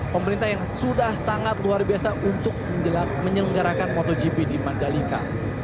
pemerintah yang sudah sangat luar biasa untuk menyelenggarakan motogp di mandalika